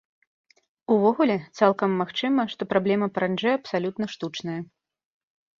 Увогуле, цалкам магчыма, што праблема паранджы абсалютна штучная.